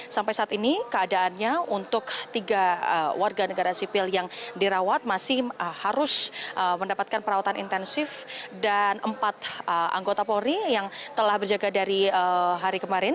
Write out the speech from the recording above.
sampai saat ini keadaannya untuk tiga warga negara sipil yang dirawat masih harus mendapatkan perawatan intensif dan empat anggota polri yang telah berjaga dari hari kemarin